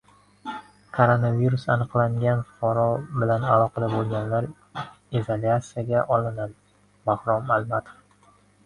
Koronavirus aniqlangan fuqaro bilan aloqada bo‘lganlar izolyasiyaga olinadi — Bahrom Almatov